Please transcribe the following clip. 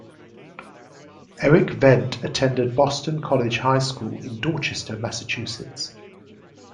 Erik Vendt attended Boston College High School in Dorchester, Massachusetts.